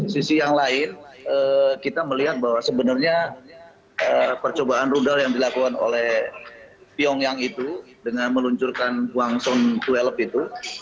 sisi yang lain kita melihat bahwa sebenarnya percobaan rudal yang dilakukan oleh pyongyang itu dengan meluncurkan guangzon dua eleb itu